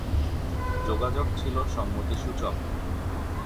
যোগাযোগ ছিল সম্মতিসূচক।